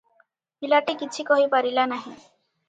ପିଲାଟି କିଛି କହିପାରିଲା ନାହିଁ ।